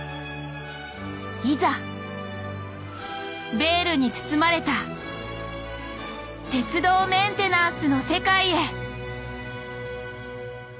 いざベールに包まれた鉄道メンテナンスの世界へ！